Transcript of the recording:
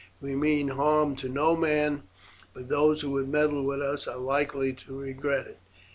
"We mean harm to no man, but those who would meddle with us are likely to regret it."